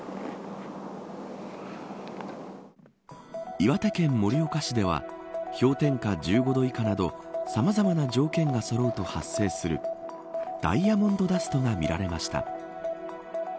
岩手県盛岡市では氷点下１５度以下などさまざまな条件がそろうと発生するダイヤモンドダストが見られました。